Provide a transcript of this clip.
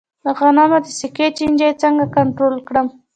د غنمو د ساقې چینجی څنګه کنټرول کړم؟